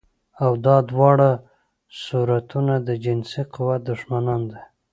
او دا دواړه صورتونه د جنسي قوت دښمنان دي